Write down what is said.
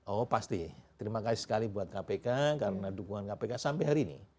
oh pasti terima kasih sekali buat kpk karena dukungan kpk sampai hari ini